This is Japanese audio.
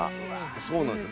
そうなんですよ。